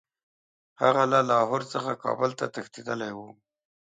هغه له لاهور څخه کابل ته تښتېتدلی وو.